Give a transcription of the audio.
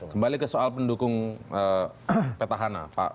kembali ke soal pendukung petahana pak